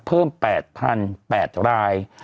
เพิ่ม๘๘ราย